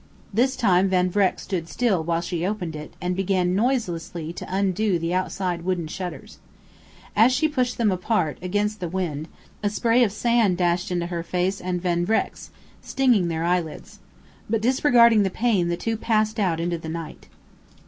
This time Van Vreck stood still while she opened it and began noiselessly to undo the outside wooden shutters. As she pushed them apart, against the wind, a spray of sand dashed into her face and Van Vreck's, stinging their eyelids. But disregarding the pain, the two passed out into the night.